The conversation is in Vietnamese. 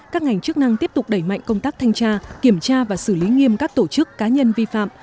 các ngành chức năng tiếp tục đẩy mạnh công tác thanh tra kiểm tra và xử lý nghiêm các tổ chức cá nhân vi phạm